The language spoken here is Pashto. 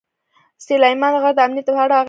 سلیمان غر د امنیت په اړه اغېز لري.